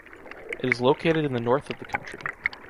It is located in the north of the country.